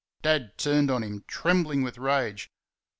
Dad turned on him, trembling with rage.